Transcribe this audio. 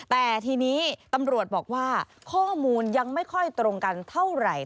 แต่ทีนี้ตำรวจบอกว่าข้อมูลยังไม่ค่อยตรงกันเท่าไหร่